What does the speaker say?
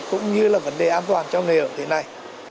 cũng như là vấn đề an toàn cho nghề ở thế này